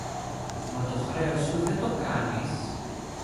μα το χρέος σου δεν το κάνεις!